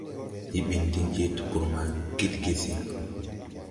Ndi ɓin diŋ je tpur ma Gidgisi.